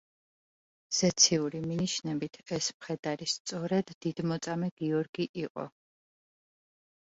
ზეციური მინიშნებით ეს მხედარი სწორედ დიდმოწამე გიორგი იყო.